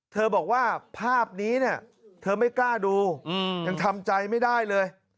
บอกว่าภาพนี้เนี่ยเธอไม่กล้าดูยังทำใจไม่ได้เลย